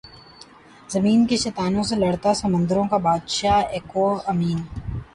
زمین کے شیطانوں سے لڑتا سمندروں کا بادشاہ ایکوامین